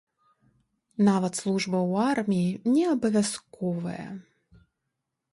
Нават служба ў арміі не абавязковая.